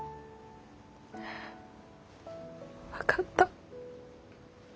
分かった。